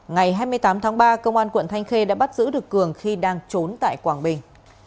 ngày hai mươi tám tháng ba công an quận thanh khê đã bắt giữ được cường khi đang trốn tại quảng bình